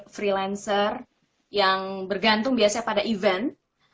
freelancer yang bergantung biasanya pada event